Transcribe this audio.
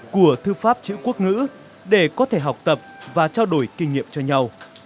của thư pháp chữ quốc ngữ để có thể học tập và trao đổi kinh nghiệm cho nhau